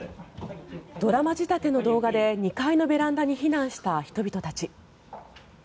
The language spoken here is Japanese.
ドラマ仕立ての動画で２階のベランダに避難した人たち。